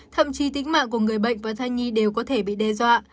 thậm chí tính mạng của người bệnh và thai nhi đều có thể bị đe dọa